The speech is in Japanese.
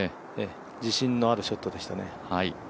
自信のあるショットでしたね。